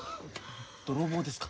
泥棒ですか？